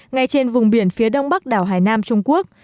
ngay trên vùng biển phía đông bắc đảo hải nam trung quốc